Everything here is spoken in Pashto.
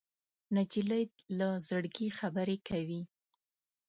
نجلۍ له زړګي خبرې کوي.